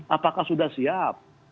apakah sudah siap